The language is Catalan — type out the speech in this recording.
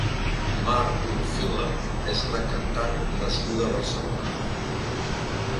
Mar Orfila és una cantant nascuda a Barcelona.